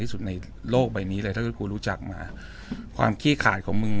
สุดในโลกใบนี้เลยถ้ากูรู้จักมาความขี้ขาดของมึง